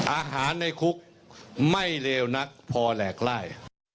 อาหารในคุกไม่เลวนักพอแหลกไล่